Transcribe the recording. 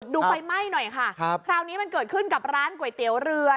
ดูไฟไหม้หน่อยค่ะครับคราวนี้มันเกิดขึ้นกับร้านก๋วยเตี๋ยวเรือ